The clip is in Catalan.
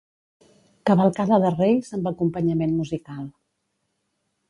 Cavalcada de Reis amb acompanyament musical.